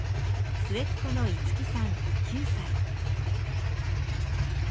末っ子の樹さん９歳。